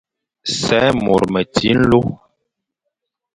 Sè môr meti nlô.